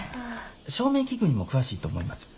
照明器具にも詳しいと思いますよ。